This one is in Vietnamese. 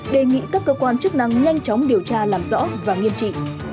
đề nghị các cơ quan chức năng nhanh chóng điều tra làm rõ và nghiêm trị